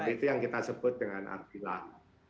itu yang kita sebut dengan arti lam